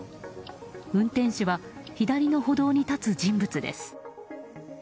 運転手は左の歩道に立つ人物です。